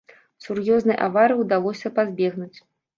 Сур'ёзнай аварыі ўдалося пазбегнуць.